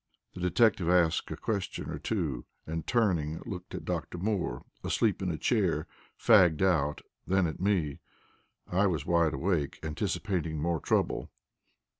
The detective asked a question or two, and turning looked at Dr. Moore, asleep in a chair, fagged out, then at me. I was wide awake, anticipating more trouble.